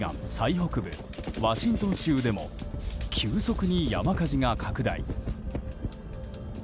北部ワシントン州でも急速に山火事が拡大。